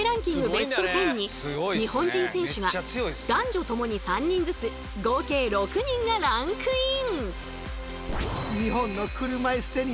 ベスト１０に日本人選手が男女ともに３人ずつ合計６人がランクイン！